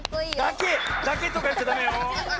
だけ！だけとかいっちゃダメよ！